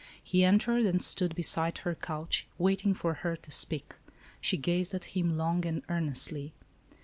He entered and stood beside her couch, waiting for her to speak. She gazed at him long and earnestly.